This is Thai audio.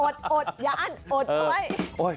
อดอย่าอั้นอดเอาไว้